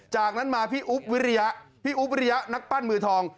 จากนั้นมาพี่อุ๊บวิริยะพี่อุ๊บวิริยะนักปั้นมือทอง